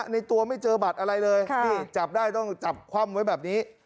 ในตัวไม่เจอบัตรอะไรเลยนี่จับได้ต้องจับคว่ำไว้แบบนี้